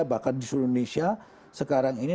bahkan di seluruh indonesia sekarang ini